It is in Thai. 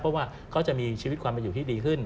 เพราะว่าเขาจะมีชีวิตความเป็นอยู่ที่ดีขึ้น